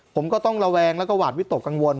ผมก็ต้องระแวงแล้วก็หวาดวิตกกังวล